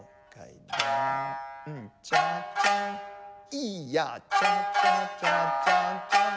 イヤチャチャチャチャチャン。